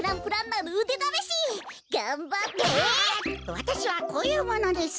わたしはこういうものです。